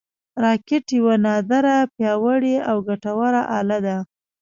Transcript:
راکټ یوه نادره، پیاوړې او ګټوره اله ده